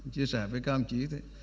chia sẻ với cao ổng chí